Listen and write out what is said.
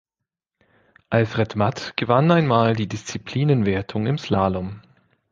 Alfred Matt gewann einmal die Disziplinenwertung im Slalom.